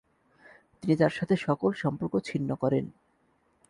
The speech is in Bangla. তিনি তার সাথে সকল সম্পর্ক ছিন্ন করেন।